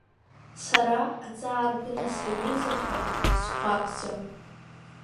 Сара, аҵаардәына саҩызаха схәаԥӡа.